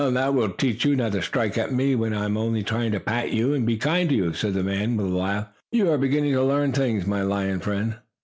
"That will teach you not to strike at me when I am only trying to pat you and be kind to you," said the man with a laugh. "You are beginning to learn things, my lion friend."